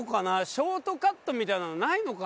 ショートカットみたいなのないのかな？